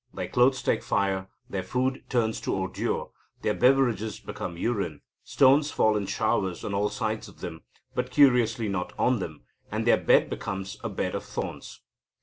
Their clothes take fire; their food turns to ordure; their beverages become urine; stones fall in showers on all sides of them, but curiously not on them; and their bed becomes a bed of thorns.